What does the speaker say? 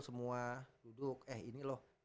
semua duduk eh ini loh